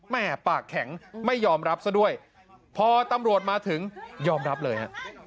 แม่ปากแข็งไม่ยอมรับซะด้วยพอตำรวจมาถึงยอมรับเลยฮะ